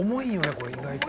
これ意外と。